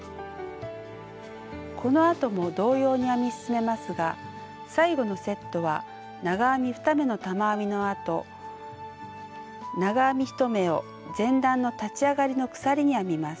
このあとも同様に編み進めますが最後のセットは長編み２目の玉編みのあと長編み１目を前段の立ち上がりの鎖に編みます。